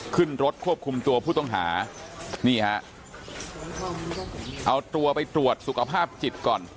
ขึ้นรถควบคุมตัวผู้ต้องหานี่ฮะเอาตัวไปตรวจสุขภาพจิตก่อน